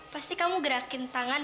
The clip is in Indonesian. pasti kamu gerakin tangan